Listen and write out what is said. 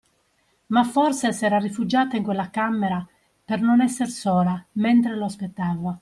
Ma forse s'era rifugiata in quella camera, per non esser sola, mentre lo aspettava.